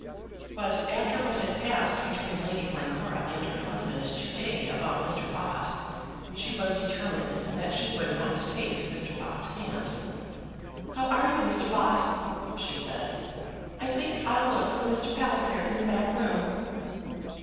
But after what had passed between Lady Glencora and her husband to day about Mr. Bott, she was determined that she would not take Mr. Bott's hand. "How are you, Mr. Bott?" she said. "I think I'll look for Mr. Palliser in the back room."